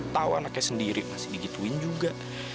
tahu anaknya sendiri masih digituin juga